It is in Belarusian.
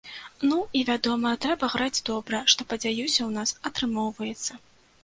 Ну і, вядома, трэба граць добра, што, падзяюся, у нас атрымоўваецца!